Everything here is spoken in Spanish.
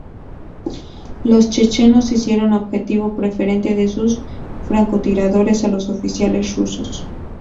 Los chechenos hicieron objetivo preferente de sus francotiradores a los oficiales rusos.